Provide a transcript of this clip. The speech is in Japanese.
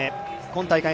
今大会